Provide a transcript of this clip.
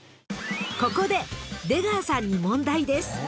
［ここで出川さんに問題です］